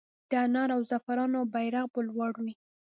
د انار او زعفرانو بیرغ به لوړ وي؟